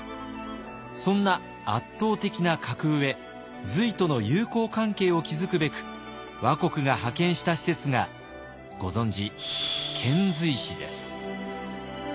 そんな圧倒的な格上隋との友好関係を築くべく倭国が派遣した使節がご存じ遣隋使です。